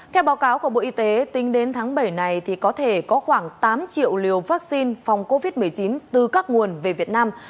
theo báo cáo của bộ y tế tính đến tháng bảy này có thể có khoảng tám triệu liều vaccine phòng covid một mươi chín từ các nguồn về việt nam